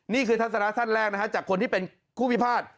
นี่คือทัศน์แรกจากคนที่เป็นคู่พิพาท